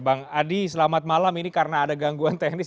bang adi selamat malam ini karena ada gangguan teknis